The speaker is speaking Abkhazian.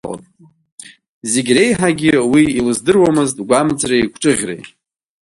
Зегь реиҳагьы уи илыздыруамызт гәамҵреи гәҿыӷьреи.